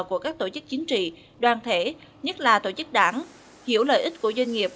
của các tổ chức chính trị đoàn thể nhất là tổ chức đảng hiểu lợi ích của doanh nghiệp